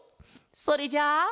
それじゃあ。